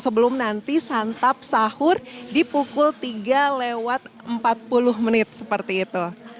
sebelum nanti santab sahur di pukul tiga empat puluh seperti itu